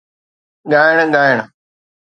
ڳائڻ ، ڳائڻ